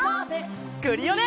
クリオネ！